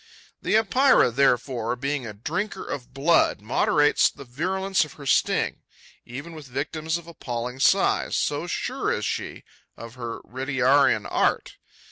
The Epeira, therefore, being a drinker of blood, moderates the virulence of her sting, even with victims of appalling size, so sure is she of her retiarian art.